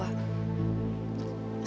aku gak punya orang tua